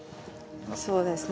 そうですね